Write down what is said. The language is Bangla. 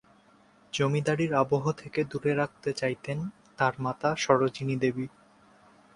জমিদারির আবহ থেকে দূরে রাখতে চাইতেন তার মাতা সরোজিনী দেবী।